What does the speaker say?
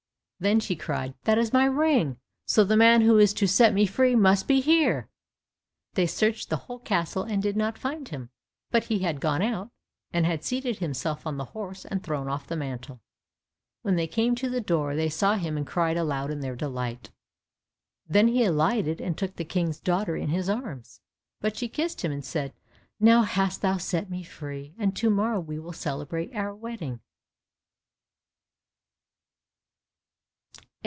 Then she cried, "That is my ring, so the man who is to set me free must be here." They searched the whole castle and did not find him, but he had gone out, and had seated himself on the horse and thrown off the mantle. When they came to the door, they saw him and cried aloud in their delight.* Then he alighted and took the King's daughter in his arms, but she kissed him and said, "Now hast thou set me free, and to morrow we will celebrate our wedding."